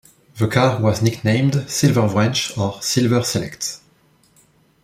The car was nicknamed "Silverwrench" or "Silver Select".